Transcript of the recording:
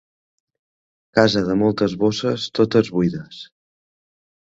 Casa de moltes bosses, totes buides.